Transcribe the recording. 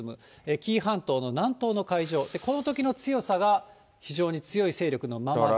紀伊半島の南東の海上、このときの強さが非常に強い勢力のままで。